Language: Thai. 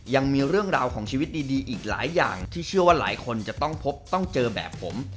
ยังมีเรื่องราวของชีวิตดีอีกหลายอย่างที่เชื่อว่าหลายคนจะต้องพบต้องเจอแบบผม